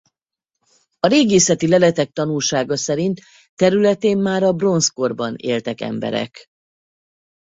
A régészeti leletek tanúsága szerint területén már a bronzkorban éltek emberek.